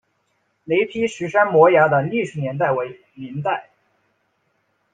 雷劈石山摩崖的历史年代为明代。